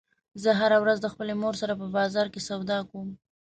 زه هره ورځ د خپلې مور سره په بازار کې سودا کوم